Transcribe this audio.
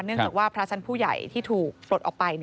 เนื่องจากว่าพระชั้นผู้ใหญ่ที่ถูกปลดออกไป